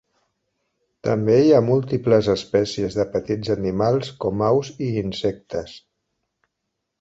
També hi ha múltiples espècies de petits animals com aus i insectes.